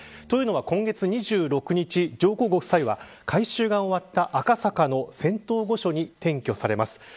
というのは、今月２６日上皇ご夫妻は改修が終わった赤坂の仙洞御所に転居されます。